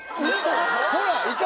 ほらいた！